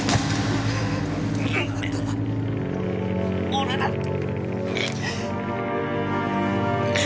俺だって。